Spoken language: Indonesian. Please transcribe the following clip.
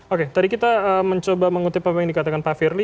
oke tadi kita mencoba mengutip apa yang dikatakan pak firly